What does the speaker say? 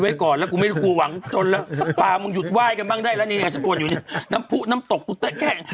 มีบ่อปลาครับค่ะจะสอนปลาครับให้หายใจเอง